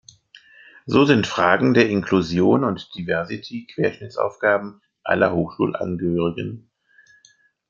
So sind Fragen der Inklusion und Diversity Querschnittsaufgaben aller Hochschulangehörigen.